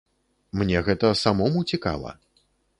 Мне гэта самому цікава.